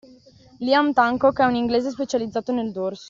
Liam Tancock è un inglese specializzato nel dorso